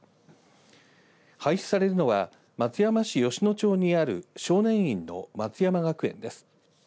廃止されるのは松山市吉野町にある少年院の松山学園です。